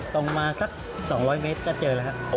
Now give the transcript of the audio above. ตรงมาสัก๒๐๐เมตรก็เจอแล้วครับ